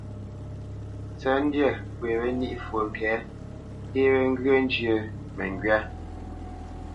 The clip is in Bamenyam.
Ntsə̌ntndyâ ŋgwê wé ní fwo ŋke, nté wé ŋgyə̂ njyə́ məŋgywá.